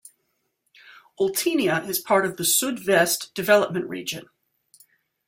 Oltenia is part of the Sud - Vest development region.